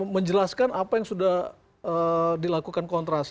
menjelaskan apa yang sudah dilakukan kontras